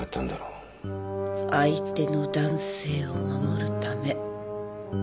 相手の男性を守るため。